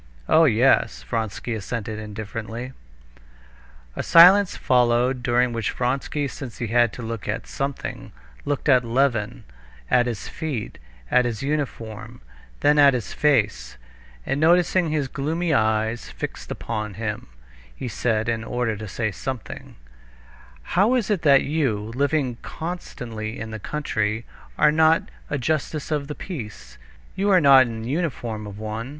"Oh, yes!" Vronsky assented indifferently. A silence followed, during which Vronsky—since he had to look at something—looked at Levin, at his feet, at his uniform, then at his face, and noticing his gloomy eyes fixed upon him, he said, in order to say something: "How is it that you, living constantly in the country, are not a justice of the peace? You are not in the uniform of one."